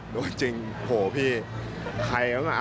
เดูกค่ะ